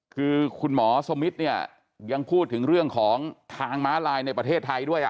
คือคุณหมอสมิทเนี่ยยังพูดถึงเรื่องของทางม้าลายในประเทศไทยด้วย